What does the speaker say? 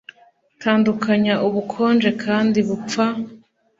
Tandukanya ubukonje kandi bupfa